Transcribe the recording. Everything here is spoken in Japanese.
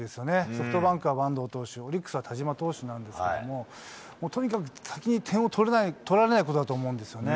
ソフトバンクは阪東投手、オリックスは田嶋投手なんですけれども、とにかく先に点を取られないことだと思うんですよね。